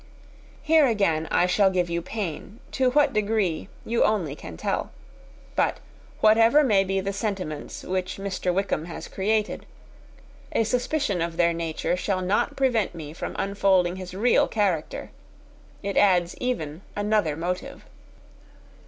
Here again I shall give you pain to what degree you only can tell. But whatever may be the sentiments which Mr. Wickham has created, a suspicion of their nature shall not prevent me from unfolding his real character. It adds even another motive.